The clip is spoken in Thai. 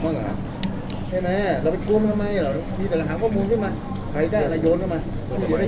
ไม่ได้ไม่ได้ไม่ได้อาจจะเป็นอาจจะเป็นอาจจะเป็นที่เขาออกมาพยายามสร้างกันแน่